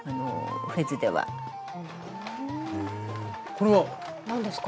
これは？何ですか？